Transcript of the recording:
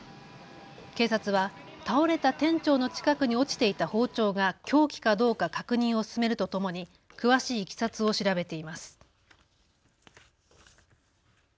警察は倒れた店長の近くに落ちていた包丁が凶器かどうか確認を進めるとともに詳しいいきさつを調べています。